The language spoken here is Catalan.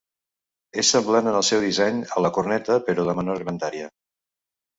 És semblant en el seu disseny a la corneta, però de menor grandària.